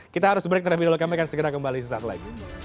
kita harus break terlebih dahulu kami akan segera kembali sesaat lagi